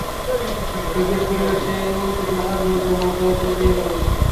জিজ্ঞেস করলে সে এমনকিছু বলবে যা মাথার উপর দিয়ে যাবে।